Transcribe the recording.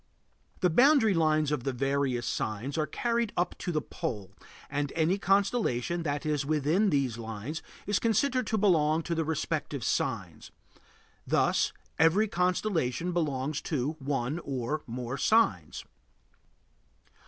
The boundary lines of the various signs are carried up to the pole, and any constellation that is within these lines is considered to belong to the respective sign; thus, every constellation belongs to one or more signs.